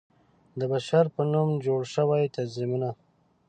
د بشر په نوم جوړ شوى تنظيمونه